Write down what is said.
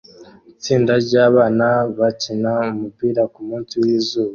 Itsinda ryabana bakina umupira kumunsi wizuba